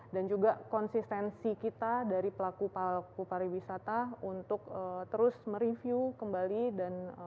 dan juga konsistensi kita dari pelaku pariwisata untuk terus mereview kembali dan